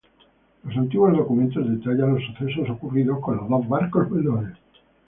Los antiguos documentos detallan los sucesos ocurridos con los dos barcos menores.